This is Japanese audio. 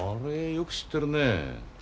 よく知ってるね。